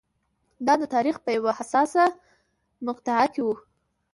دا د تاریخ په یوه حساسه مقطعه کې و.